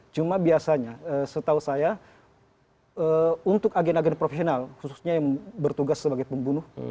cuma biasanya setahu saya untuk agen agen profesional khususnya yang bertugas sebagai pembunuh